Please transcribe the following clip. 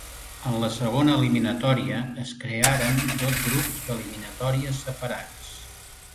En la segona eliminatòria es crearen dos grups d'eliminatòries separats.